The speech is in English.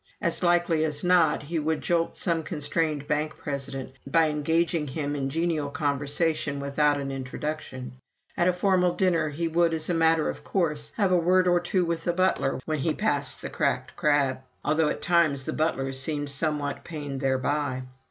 As likely as not, he would jolt some constrained bank president by engaging him in genial conversation without an introduction; at a formal dinner he would, as a matter of course, have a word or two with the butler when he passed the cracked crab, although at times the butlers seemed somewhat pained thereby.